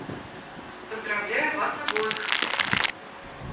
Поздравляю вас обоих.